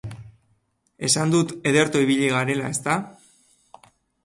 Esan dut ederto ibili garela ezta?